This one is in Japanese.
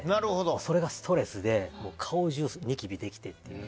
それがストレスで顔中、ニキビができて。